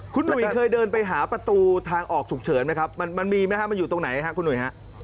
คุณหนุ่ยเคยเดินไปหาประตูทางออกฉุกเฉินไหมครับมันมีไหมฮะมันอยู่ตรงไหนครับคุณหนุ่ยฮะ